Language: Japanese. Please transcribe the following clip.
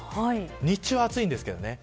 日中は暑いんですけどね。